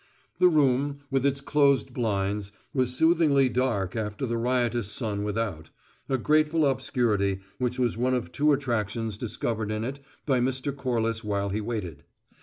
The room, with its closed blinds, was soothingly dark after the riotous sun without, a grateful obscurity which was one of two attractions discovered in it by Mr. Corliss while he waited.